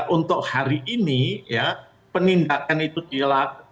untuk hari ini ya penindakan itu hilang